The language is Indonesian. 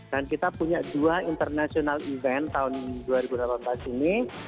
dan kita punya dua international event tahun dua ribu delapan belas ini